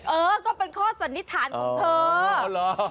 เออก็เป็นข้อสันนิษฐานของเธอ